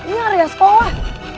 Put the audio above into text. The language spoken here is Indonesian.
ini area sekolah